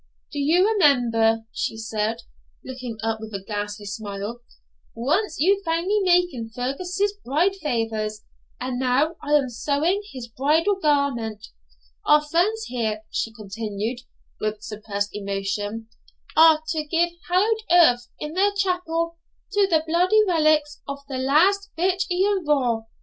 'Do you remember,' she said, looking up with a ghastly smile, 'you once found me making Fergus's bride favours, and now I am sewing his bridal garment. Our friends here,' she continued, with suppressed emotion, 'are to give hallowed earth in their chapel to the bloody relics of the last Vich Ian Vohr.